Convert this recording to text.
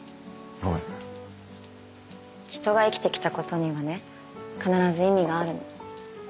人が生きてきたことにはね必ず意味があるの。